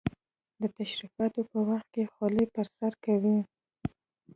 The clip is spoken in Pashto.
د تشریفاتو په وخت کې خولۍ پر سر کوي.